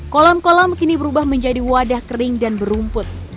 kolam kolam kini berubah menjadi wadah kering dan berumput